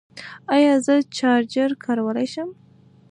ایا زه چارجر کارولی شم؟